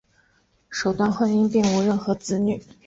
首段婚姻并无任何子女。